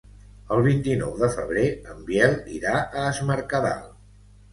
El vint-i-nou de febrer en Biel irà a Es Mercadal.